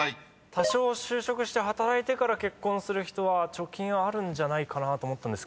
多少就職して働いてから結婚する人は貯金あるんじゃないかなと。